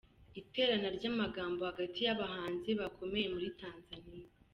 Iterana ry’amagambo hagati y’abahanzi bakomeye muri Tanzania.